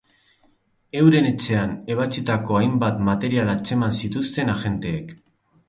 Euren etxean ebatsitako hainbat material atzeman zituzten agenteek.